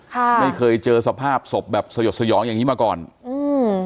ค่ะไม่เคยเจอสภาพศพแบบสยดสยองอย่างงี้มาก่อนอืม